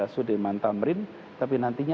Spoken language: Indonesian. sudirman tamrin tapi nantinya